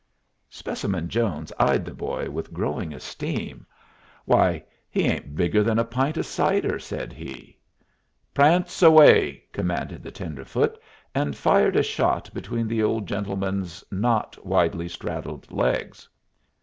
Specimen Jones eyed the boy with growing esteem. "Why, he ain't bigger than a pint of cider," said he. "Prance away!" commanded the tenderfoot, and fired a shot between the old gentleman's not widely straddled legs.